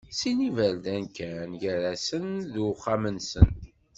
Sin n yiberdan kan gar-as d uxxam-nsen.